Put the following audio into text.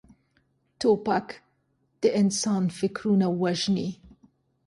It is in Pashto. توپک د انسان فکرونه وژني.